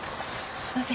すみません。